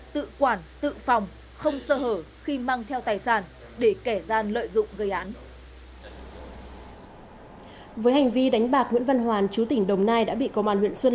tự quản tự phòng không sơ hở khi mang theo tài sản để kẻ ra tài sản